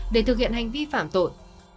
để thực hiện hành vi phạm tội